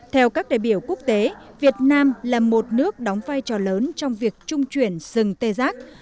theo các đại biểu quốc tế việt nam là một nước đóng vai trò lớn trong việc trung chuyển sừng tê giác